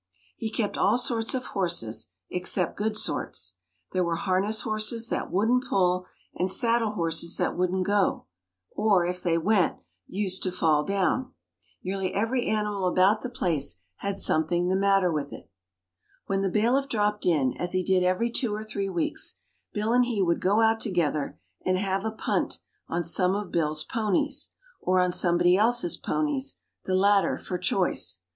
He kept all sorts of horses, except good sorts. There were harness horses, that wouldn't pull, and saddle horses that wouldn't go or, if they went, used to fall down. Nearly every animal about the place had something the matter with it. When the bailiff dropped in, as he did every two or three weeks, Bill and he would go out together, and "have a punt" on some of Bill's ponies, or on somebody else's ponies the latter for choice.